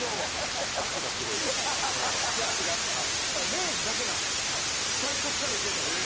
礼二だけなの最初からいてるのが。